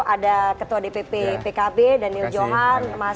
ada ketua dpp pkb daniel johan